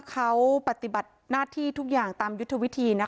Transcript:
เขาปฏิบัติหน้าที่ทุกอย่างตามยุทธวิธี